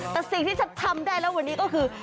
แต่สิ่งที่ฉันทำได้แล้ววันนี้ก็คือ